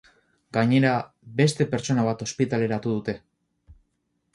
Gainera, beste pertsona bat ospitaleratu dute.